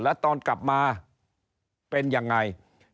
แล้วตอนกลับมาเป็นยังไง